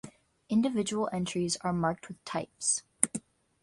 Individual entries are marked with types.